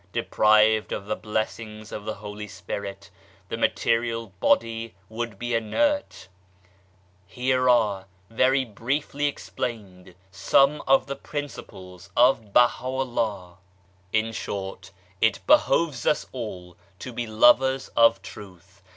Deprived of the blessings of the Holy Spirit the material body would be inert. Here are, very briefly explained, some of the principles of Baha'u'llah. In short, it behoves us all to be lovers of Truth.